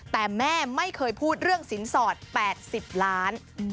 แต่แม่ไม่เคยพูดเรื่องสินสอด๘๐ล้าน